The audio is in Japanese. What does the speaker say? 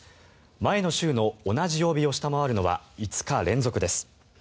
前の週の同じ曜日を下回るのは５日連続です。